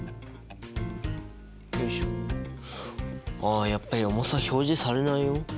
あやっぱり重さ表示されないよ。